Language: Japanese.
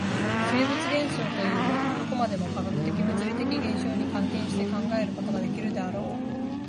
生物現象というも、どこまでも化学的物理的現象に還元して考えることができるであろう。